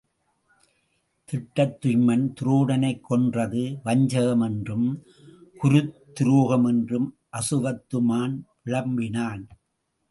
திட்டத்துய்மன் துரோணனைக் கொன்றது வஞ்சகம் என்றும், குருத்துரோகம் என்றும் அசுவத்தாமன் விளம்பினான்.